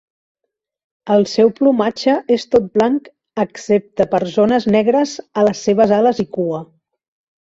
El seu plomatge és tot blanc excepte per zones negres a les seves ales i cua.